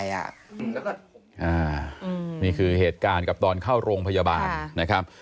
แล้วก็นี่คือเหตุการณ์กับตอนเข้าโรงพยาบาลนะครับ